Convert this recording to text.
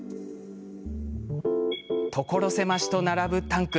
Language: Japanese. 所狭しと並ぶタンク。